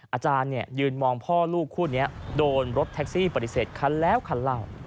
อาจารย์ยืนมองพ่อลูกคู่นี้โดนรถแท็กซี่ปฏิเสธคันแล้วคันเล่า